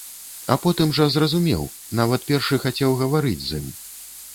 А потым жа зразумеў, нават першы захацеў гаварыць з ім.